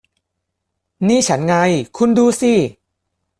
นี่ฉันไง คุณดูสิ